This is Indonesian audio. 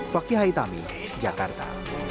fakih haithami jakarta